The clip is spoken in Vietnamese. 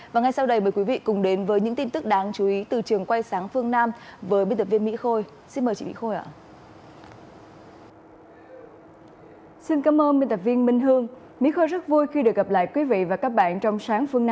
và ngay sau đây mời quý vị cùng đến với những tin tức đáng chú ý từ trường quay sáng phương